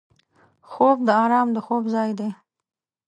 خوب د آرام د خوب ځای دی